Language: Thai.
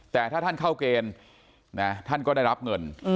แต่ถ้าท่านเข้าเกณฑ์ท่านก็ได้รับเงิน